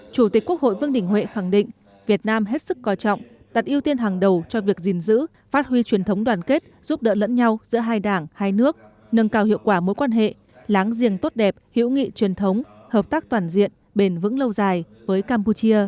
chủ tịch quốc hội vương đình huệ khẳng định việt nam hết sức coi trọng đặt ưu tiên hàng đầu cho việc gìn giữ phát huy truyền thống đoàn kết giúp đỡ lẫn nhau giữa hai đảng hai nước nâng cao hiệu quả mối quan hệ láng giềng tốt đẹp hữu nghị truyền thống hợp tác toàn diện bền vững lâu dài với campuchia